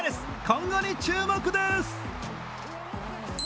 今後に注目です。